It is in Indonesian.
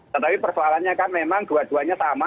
tetapi persoalannya kan memang dua duanya sama